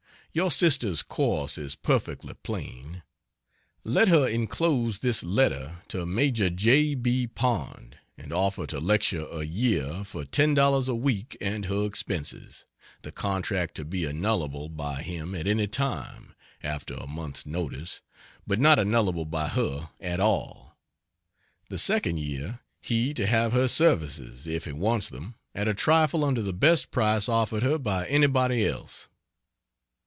Your sister's course is perfectly plain. Let her enclose this letter to Maj. J. B. Pond, and offer to lecture a year for $10 a week and her expenses, the contract to be annullable by him at any time, after a month's notice, but not annullable by her at all. The second year, he to have her services, if he wants them, at a trifle under the best price offered her by anybody else.